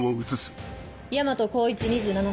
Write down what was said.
大和耕一２７歳。